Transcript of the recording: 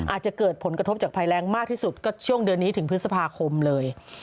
อาจจะเกิดผลกระทบจากภัยแรงมากที่สุดก็ช่วงเดือนนี้ถึงพฤษภาคมเลย